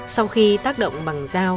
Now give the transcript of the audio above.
sau khi tác động bằng dao